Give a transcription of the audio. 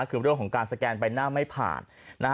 คือเรื่องของการสแกนใบหน้าไม่ผ่านนะฮะ